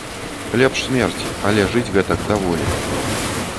Лепш смерць, але жыць гэтак даволі.